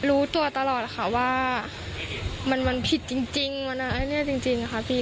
รู้ตัวตลอดค่ะว่ามันผิดจริงมันอันนี้จริงค่ะพี่